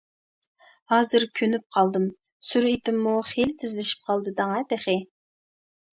ھازىر كۆنۈپ قالدىم. سۈرئىتىممۇ خېلى تېزلىشىپ قالدى دەڭە تېخى.